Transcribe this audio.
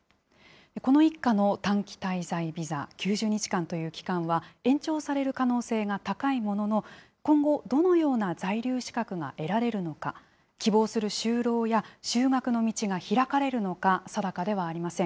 この一家の短期滞在ビザ、９０日間という期間は、延長される可能性が高いものの、今後、どのような在留資格が得られるのか、希望する就労や就学の道が開かれるのか、定かではありません。